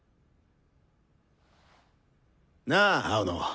なあ青野。